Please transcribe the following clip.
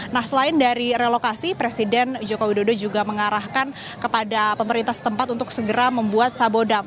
nah selain dari relokasi presiden joko widodo juga mengarahkan kepada pemerintah setempat untuk segera membuat sabodam